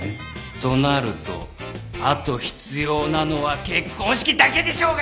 となるとあと必要なのは結婚式だけでしょうが！